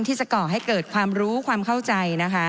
ที่จะก่อให้เกิดความรู้ความเข้าใจนะคะ